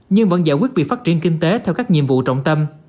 nhưng vẫn giải quyết việc phát triển kinh tế theo các nhiệm vụ trọng tâm